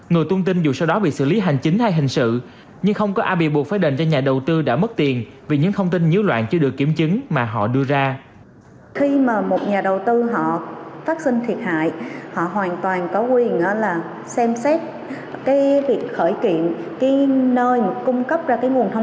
người tung tin dù sau đó bị xử lý hành chính hay hình sự nhưng không có ai bị buộc phải đền cho nhà đầu tư đã mất tiền vì những thông tin nhiễu loạn chưa được kiểm chứng mà họ đưa ra